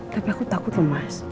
tapi aku takut lemas